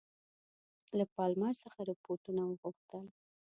له پالمر څخه رپوټونه وغوښتل.